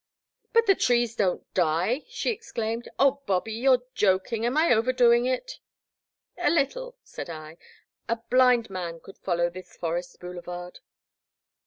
But the trees don't die!'* she exclaimed. 0h, Bobby, you're joking; am I overdoing it? *'A little, said I, a blind man could follow this forest boulevard.